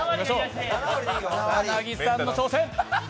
草薙さんの挑戦。